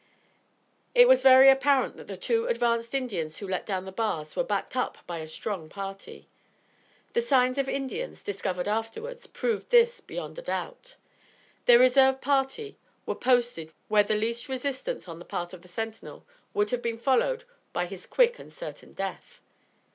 It was very apparent that the two advanced Indians who let down the bars were backed up by a strong party. The signs of Indians, discovered afterwards, proved this beyond a doubt. Their reserve party were posted where the least resistance on the part of the sentinel would have been followed by his quick and certain death.